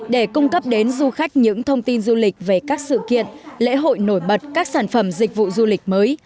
để cung cấp đến du khách những thông tin du lịch về các sự kiện lễ hội nổi bật các sản phẩm dịch vụ du lịch mới